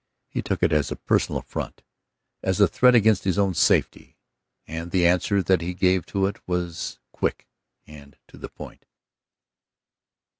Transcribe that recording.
He took it as a personal affront, as a threat against his own safety, and the answer that he gave to it was quick and to the point.